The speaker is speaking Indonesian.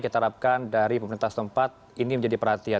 kita harapkan dari pemerintah setempat ini menjadi perhatian